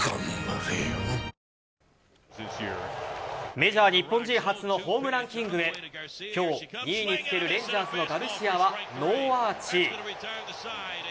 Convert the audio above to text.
メジャー日本人初のホームランキングへ今日、２位につけるレンジャーズのガルシアはノーアーチ。